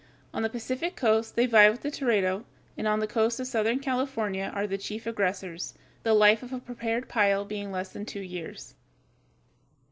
On the Pacific coast they vie with the teredo, and on the coast of southern California are the chief aggressors, the life of a prepared pile being less than two years.